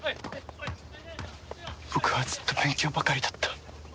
僕はずっと勉強ばかりだった。